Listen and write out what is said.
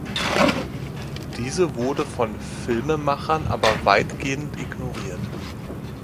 Diese wurde von Filmemachern aber weitgehend ignoriert.